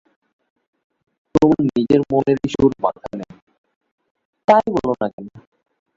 তোমার নিজের মনেরই সুর বাঁধা নেই, তাই বলো না কেন?